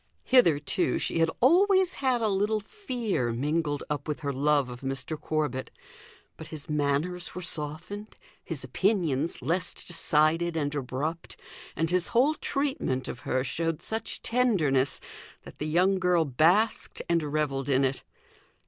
Hitherto she had always had a little fear mingled up with her love of Mr. Corbet; but his manners were softened, his opinions less decided and abrupt, and his whole treatment of her showed such tenderness, that the young girl basked and revelled in it.